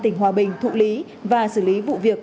tỉnh hòa bình thụ lý và xử lý vụ việc